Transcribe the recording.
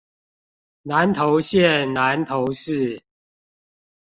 南投縣南投市